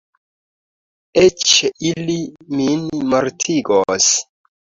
Eĉ ili min mortigos.